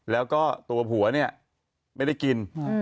แล้วก็ตัวผัวไม่ได้กิน